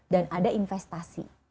dan ada investasi